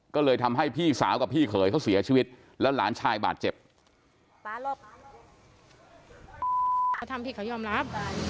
ก็เลยทำให้พี่สาวกับพี่เขยเขาเสียชีวิตแล้วหลานชายบาดเจ็บ